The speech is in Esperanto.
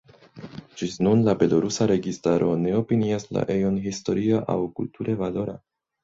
Ĝis nun la belorusa registaro ne opinias la ejon historie aŭ kulture valora.